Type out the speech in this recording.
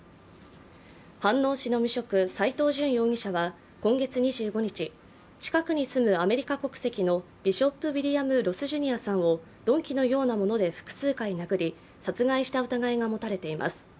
飯能市の無職、斉藤淳容疑者は今月２５日、近くに住むアメリカ国籍のビショップ・ウィリアム・ロス・ジュニアさんを鈍器のようなもので複数回殴り殺害した疑いが持たれています。